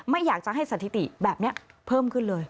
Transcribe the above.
ไม่อยากจะให้สถิติแบบนี้เพิ่มขึ้นเลย